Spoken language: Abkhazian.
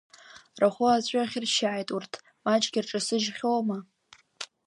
Рхәы аҵәы ахьыршьааит урҭ, маҷгьы рҿасыжьхьоума.